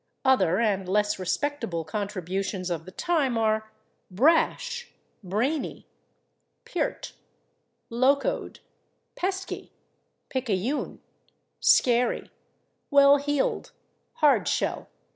Other, and less respectable contributions of the time are /brash/, /brainy/, /peart/, /locoed/, /pesky/, /picayune/, /scary/, /well heeled/, /hardshell/ (/e.